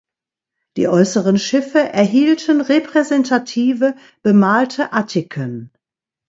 Die äußeren Schiffe erhielten repräsentative, bemalte Attiken.